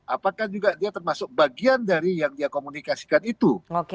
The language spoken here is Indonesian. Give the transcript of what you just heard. apakah juga dia termasuk bagian dari yang dia komunikasikan itu